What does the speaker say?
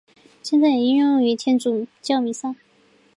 现在也应用于天主教弥撒。